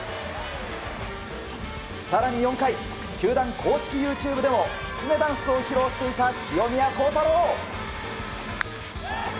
更に４回球団公式ＹｏｕＴｕｂｅでもきつねダンスを披露していた清宮幸太郎。